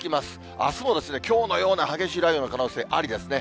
あすもきょうのような激しい雷雨の可能性ありですね。